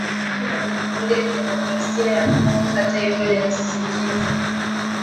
Jeshi la jamhuri ya kidemokrasia ya Kongo hata hivyo linasisitiza